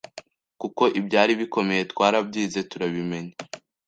kuko ibyari bikomeye twarabyize turabimenya,